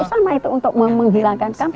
sama itu untuk menghilangkan